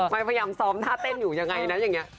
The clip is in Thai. พยายามซ้อมท่าเต้นอยู่ยังไงนะอย่างนี้